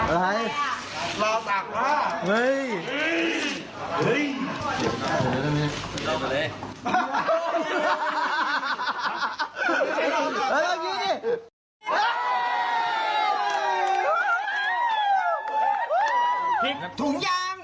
พริกถุงยาง